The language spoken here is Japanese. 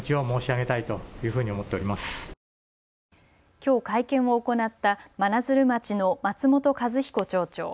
きょう会見を行った真鶴町の松本一彦町長。